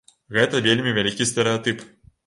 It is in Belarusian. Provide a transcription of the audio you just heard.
Гэта вельмі вялікі стэрэатып.